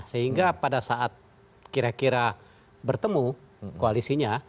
sehingga pada saat kira kira bertemu koalisinya